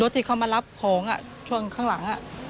ที่เขามารับของช่วงข้างหลัง